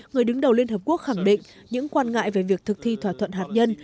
người đứng đầu liên hợp quốc khẳng định những quan ngại về việc thực thi thỏa thuận hạt nhân